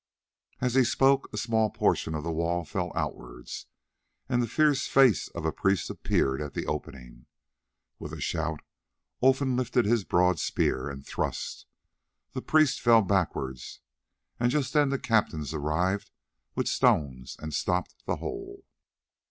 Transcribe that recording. As he spoke a small portion of the wall fell outwards and the fierce face of a priest appeared at the opening. With a shout Olfan lifted his broad spear and thrust. The priest fell backwards, and just then the captains arrived with stones and stopped the hole.